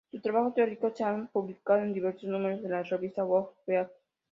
Sus trabajos teóricos, se han publicado en diversos números de la revista Down Beat.